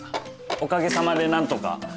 おかげさまで何とか。